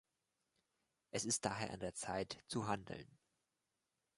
Es ist daher an der Zeit zu handeln.